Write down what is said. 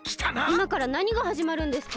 いまからなにがはじまるんですか？